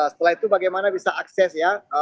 setelah itu bagaimana bisa akses ya